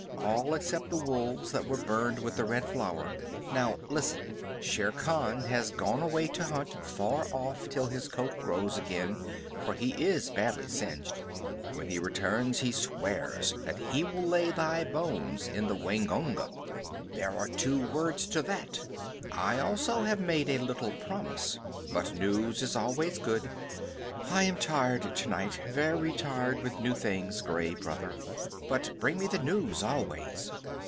"All except the wolves that were burned with the Red Flower. Now, listen. Shere Khan has gone away to hunt far off till his coat grows again, for he is badly singed. When he returns he swears that he will lay thy bones in the Waingunga." "There are two words to that. I also have made a little promise. But news is always good. I am tired to night, very tired with new things, Gray Brother, but bring me the news always."